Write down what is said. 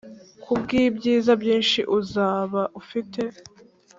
ku bw’ibyiza byinshi uzaba ufite.